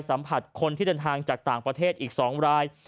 สัมผัสคนที่เดินทางจากต่างประเทศอีก๒ราย